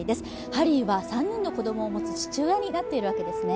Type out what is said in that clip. ハリーは３人の子供を持つ父親になってるわけですね。